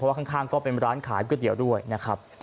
ว่าข้างก็เป็นร้านขายก๋วยเตี๋ยวด้วยนะครับ